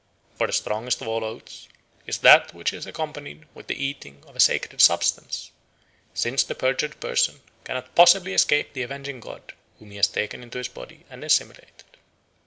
For the strongest of all oaths is that which is accompanied with the eating of a sacred substance, since the perjured person cannot possibly escape the avenging god whom he has taken into his body and assimilated."